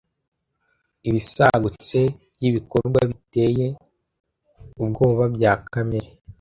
Ibisagutse by'ibikorwa biteye ubwoba bya Kamere,